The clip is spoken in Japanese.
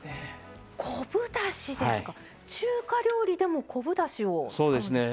昆布だしですか中華料理でも昆布だしを使うんですか？